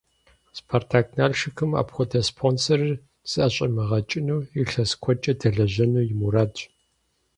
«Спартак-Налшыкым» апхуэдэ спонсорыр зыӀэщӀимыгъэкӀыну, илъэс куэдкӀэ дэлэжьэну и мурадщ.